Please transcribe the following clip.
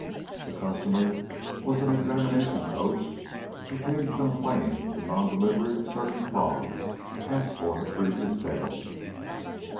The customer was an examination coach who came to complain of the non delivery of certain frogs asked for the previous day.